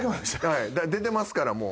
出てますからもう。